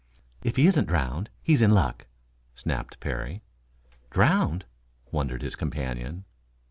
"If he isn't drowned, he's in luck," snapped Parry. "Drowned?" wondered his companion.